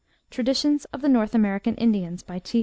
— {Traditions of the North American Indians, by T.